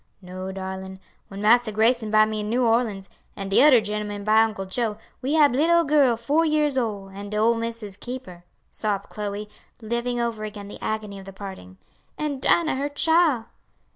"No, darlin', when Massa Grayson buy me in New Orleans, an' de odder gentleman buy Uncle Joe, we hab little girl four years ole, an' de ole missus keep her," sobbed Chloe, living over again the agony of the parting, "an' Dinah her chile."